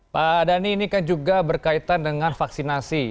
pak dhani ini kan juga berkaitan dengan vaksinasi